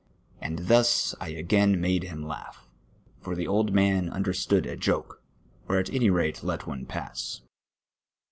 And thus I again made him laugh ; for the old man understood a joke, or at any rate let one pass.